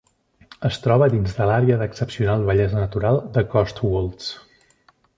Es troba dins de l'àrea d'excepcional bellesa natural de Cotswolds.